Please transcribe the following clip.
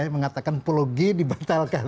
mengatakan pulau gedi dibatalkan